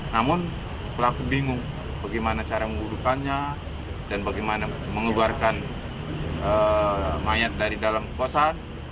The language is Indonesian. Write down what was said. namun pelaku bingung bagaimana cara memburukannya dan bagaimana mengeluarkan mayat dari dalam kosa